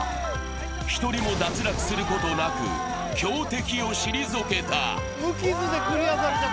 １人も脱落することなく強敵を退けた。